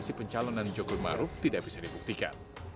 posisi pencalonan jokowi maruf tidak bisa dibuktikan